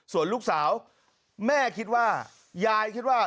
ส่วนลูกสาวแม่ก็คิดว่า